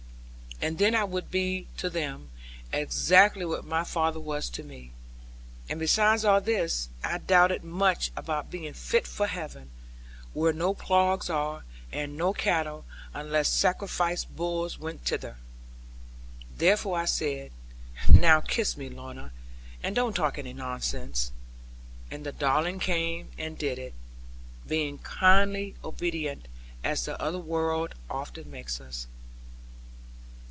And then I would be to them, exactly what my father was to me. And beside all this, I doubted much about being fit for heaven; where no ploughs are, and no cattle, unless sacrificed bulls went thither. Therefore I said, 'Now kiss me, Lorna; and don't talk any nonsense.' And the darling came and did it; being kindly obedient, as the other world often makes us.